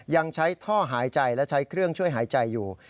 ยังใช้ท่อหายใจและใช้เครื่องช่วยหายใจอยู่